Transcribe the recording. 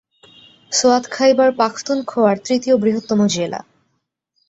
সোয়াত খাইবার পাখতুনখোয়ার তৃতীয় বৃহত্তম জেলা।